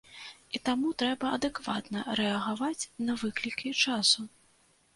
І таму трэба адэкватна рэагаваць на выклікі часу.